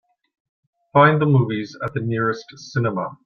Find the movies at the nearest cinema.